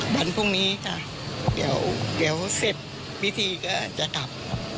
เดี๋ยวเสร็จนิทีก็จะกลับ